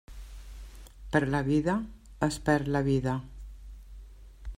Per la vida, es perd la vida.